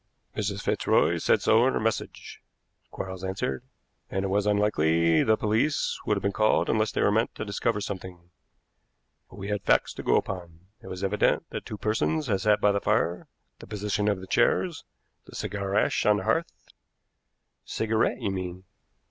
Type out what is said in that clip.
"Mrs. Fitzroy said so in her message," Quarles answered, "and it was unlikely the police would have been called unless they were meant to discover something. But we had facts to go upon. It was evident that two persons had sat by the fire, the position of the chairs, the cigar ash on the hearth " "Cigarette, you mean."